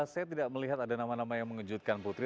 saya tidak melihat ada nama nama yang mengejutkan putri